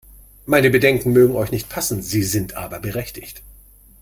Meine Bedenken mögen euch nicht passen, sie sind aber berechtigt!